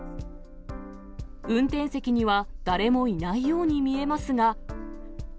運転席には、誰もいないように見えますが。